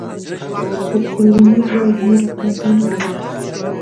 خو کولینز وايي، مور او قوماندانه دواړه.